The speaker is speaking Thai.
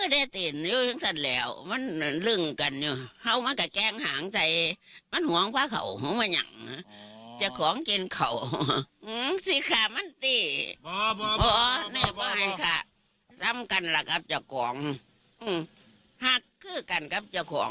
ดีใจอยู่ครับ